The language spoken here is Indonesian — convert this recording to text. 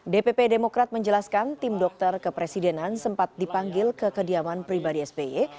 dpp demokrat menjelaskan tim dokter kepresidenan sempat dipanggil ke kediaman pribadi sby